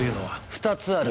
２つある。